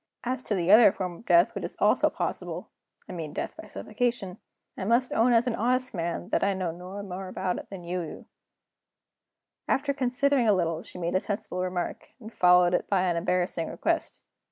As to the other form of death which is also possible (I mean death by suffocation), I must own as an honest man that I know no more about it than you do.' After considering a little, she made a sensible remark, and followed it by an embarrassing request.